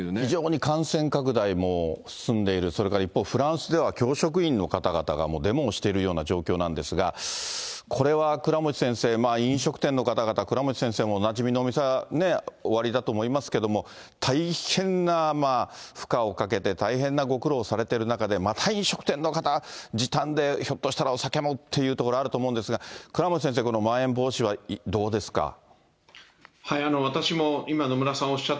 非常に感染拡大も進んでいる、それから一方フランスでは、教職員の方々がデモをしているような状況なんですが、これは倉持先生、飲食店の方々、倉持先生もなじみの店がおありだと思いますけれども、大変な負荷をかけて、大変なご苦労をされている中で、まだ飲食店の方、時短で、ひょっとしたらお酒もっていうところ、あると思うんですが、倉持先生、このまん延防止はどうですか。